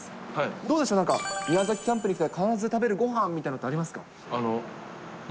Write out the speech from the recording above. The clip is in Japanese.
どうでしょう、なんか宮崎キャンプに来たら、必ず食べるごはんみたいなのありますか。